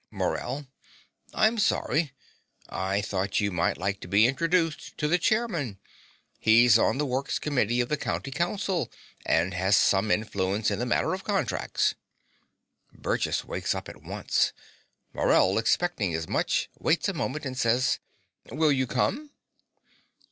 MORELL. I'm sorry. I thought you might like to be introduced to the chairman. He's on the Works Committee of the County Council and has some influence in the matter of contracts. (Burgess wakes up at once. Morell, expecting as much, waits a moment, and says) Will you come?